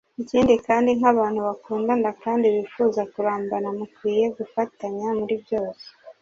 Ikindi kandi nk’abantu bakundana kandi bifuza kurambana mukwiye gufatanya muri byose